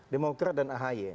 demokrat dan ahy